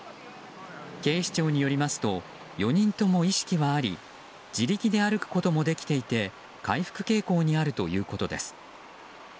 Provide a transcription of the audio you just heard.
警視庁によりますと４人とも意識はあり自力で歩くこともできていて回復傾向にあるということです。